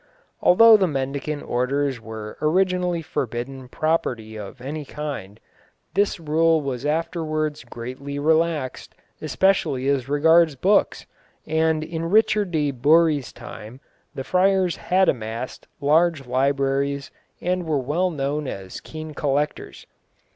Although the mendicant orders were originally forbidden property of any kind, this rule was afterwards greatly relaxed, especially as regards books, and in Richard de Bury's time the friars had amassed large libraries and were well known as keen collectors.